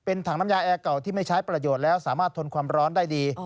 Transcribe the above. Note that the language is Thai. ถังน้ำยาแอร์เก่าที่ไม่ใช้ประโยชน์แล้วสามารถทนความร้อนได้ดี